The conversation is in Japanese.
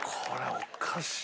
おかしい